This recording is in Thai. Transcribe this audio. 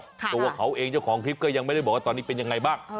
ตัวเขาเองเจ้าของคลิปก็ยังไม่ได้บอกว่าตอนนี้เป็นยังไงบ้าง